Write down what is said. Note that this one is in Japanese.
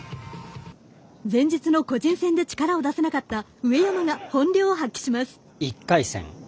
前日の個人戦で力を出せなかった上山が本領を発揮します。